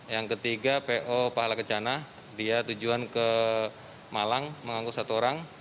yang ketiga po pahala kencana dia tujuan ke malang mengangkut satu orang